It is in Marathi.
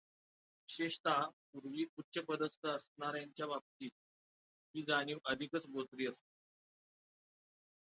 विशेषत: पूर्वी उच्चपदस्थ असणाच्यांच्या बाबतीत ही जाणीव अधिकच बोचरी असते.